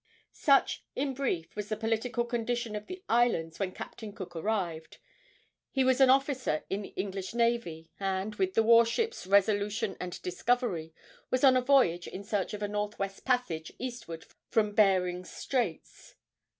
Such, in brief, was the political condition of the islands when Captain Cook arrived. He was an officer in the English navy, and, with the war ships Resolution and Discovery, was on a voyage in search of a northwest passage eastward from Behring's Straits.